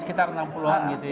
sekitar enam puluh an gitu ya